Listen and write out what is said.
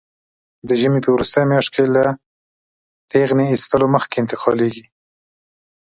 د ژمي په وروستۍ میاشت کې له ټېغنې ایستلو مخکې انتقالېږي.